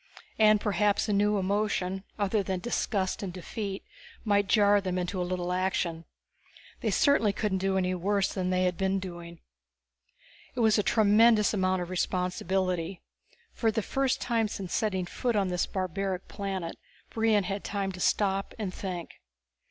And perhaps a new emotion, other than disgust and defeat, might jar them into a little action. They certainly couldn't do any worse than they had been doing. It was a tremendous amount of responsibility. For the first time since setting foot on this barbaric planet Brion had time to stop and think.